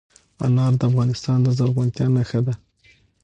انار د افغانستان د زرغونتیا نښه ده.